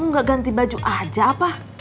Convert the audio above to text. kamu gak ganti baju aja pak